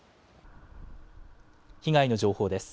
被害の情報です。